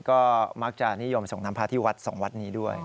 ก็มักจะนิยมส่งน้ำพระที่วัด๒วัดนี้ด้วย